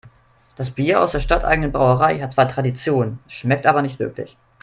Das Bier aus der stadteigenen Brauerei hat zwar Tradition, schmeckt aber nicht wirklich.